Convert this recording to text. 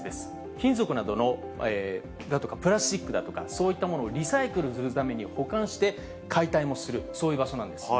金属だとか、プラスチックだとか、そういったものをリサイクルするために保管して、解体もする、そういう場所なんです。